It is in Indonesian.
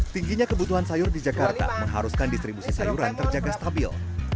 tingginya kebutuhan sayur di jakarta mengharuskan distribusi sayuran terjaga stabil